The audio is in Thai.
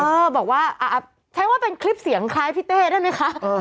บอกว่าใช้ว่าเป็นคลิปเสียงคล้ายพี่เต้ได้ไหมคะ